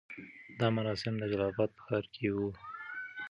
دا مراسم د جلال اباد په ښار کې وو.